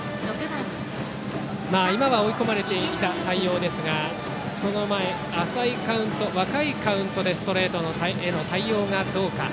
今は追い込まれていった対応ですがその前、浅いカウント若いカウントでストレートへの対応がどうか。